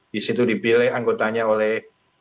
disitu dipilih anggotanya oleh